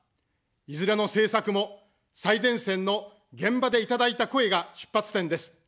いずれの政策も、最前線の現場でいただいた声が出発点です。